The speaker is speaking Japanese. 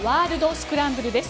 スクランブルです。